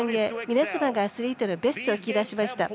皆様がアスリートのベストを引き出しました。